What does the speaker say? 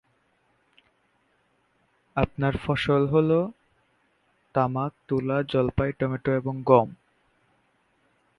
প্রধান ফসল হ'ল তামাক, তুলা, জলপাই, টমেটো এবং গম।